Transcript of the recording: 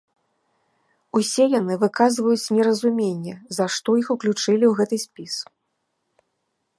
Усе яны выказваюць неразуменне, за што іх уключылі ў гэты спіс.